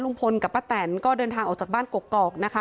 ลุงพลกับป้าแตนก็เดินทางออกจากบ้านกกอกนะคะ